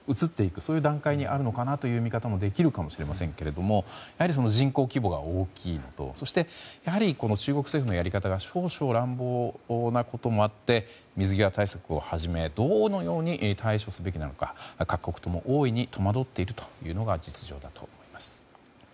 そういう段階にあるのかなという見方もできるのかもしれませんけどもやはり人口規模が大きいこととやはり、中国政府のやり方が少々乱暴なこともあって水際対策をはじめどのように対処すべきなのか各国ともおおいに戸惑っているというのが実情だと思います。